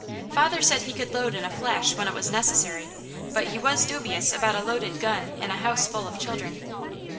Father said he could load in a flash when it was necessary, but he was dubious about a loaded gun in a house full of children.